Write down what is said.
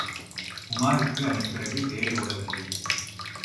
உமாருக்கு அதன் பிறகு வேலை ஒடவில்லை.